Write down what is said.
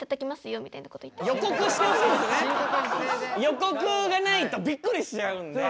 予告がないとびっくりしちゃうんで。